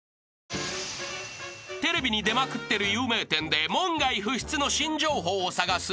［テレビに出まくってる有名店で門外不出の新情報を探す